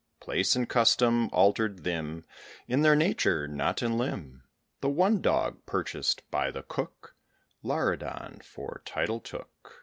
Place and custom altered them In their nature, not in limb. The one dog purchased by the cook, Laridon for title took.